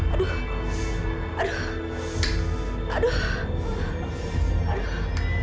aduh aduh aduh